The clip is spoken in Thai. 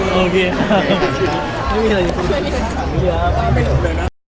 มันมีกฎหมายก็มีกฎหมายก็แค่นั้นเอง